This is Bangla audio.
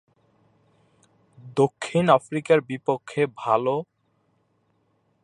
দক্ষিণ আফ্রিকার বিপক্ষে বেশ ভালোমানের বোলিংশৈলী প্রদর্শন করেন।